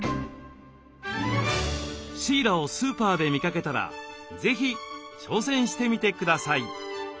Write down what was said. シイラをスーパーで見かけたら是非挑戦してみてください。